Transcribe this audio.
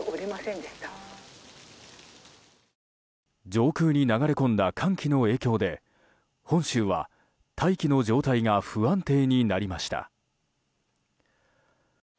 上空に流れ込んだ寒気の影響で本州は大気の状態が不安定になりました。